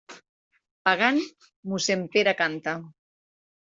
Pagant, mossén Pere canta.